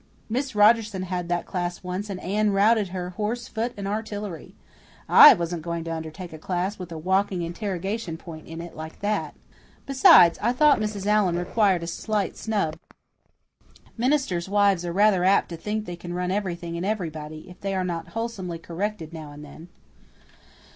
Miss Rogerson had that class once and Anne routed her, horse, foot and artillery. I wasn't going to undertake a class with a walking interrogation point in it like that. Besides, I thought Mrs. Allan required a slight snub. Ministers' wives are rather apt to think they can run everything and everybody, if they are not wholesomely corrected now and again.